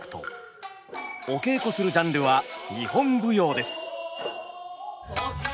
お稽古するジャンルは日本舞踊です。